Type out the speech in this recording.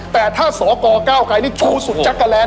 แต่ถ้าศกก้าวไกรนี่ดูสุดจักรแร้แน่นอน